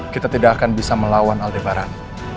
kita tidak akan bisa melawan aldebaran